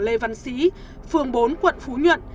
lê văn sĩ phường bốn quận phú nhuận